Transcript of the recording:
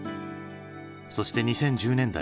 そして２０１０年代。